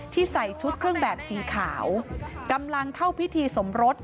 ใส่ชุดเครื่องแบบสีขาวกำลังเข้าพิธีสมรส